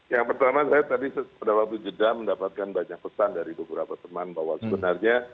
yang pertama saya tadi pada waktu jeda mendapatkan banyak pesan dari beberapa teman bahwa sebenarnya